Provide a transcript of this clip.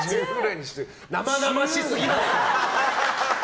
生々しすぎますよ。